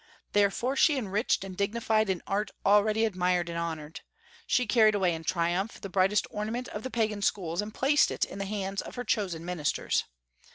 Therefore, she enriched and dignified an art already admired and honored. She carried away in triumph the brightest ornament of the Pagan schools and placed it in the hands of her chosen ministers.